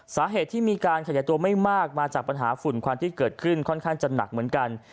สาเหตุที่มีการขยายตัวไม่มากมาจากปัญหาฝุ่นควันที่เกิดขึ้นค่อนข้างจะหนักเหมือนกัน